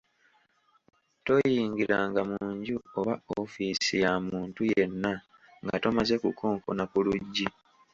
Toyingiranga mu nju oba “office” ya muntu yenna nga tomaze kukonkona ku luggi.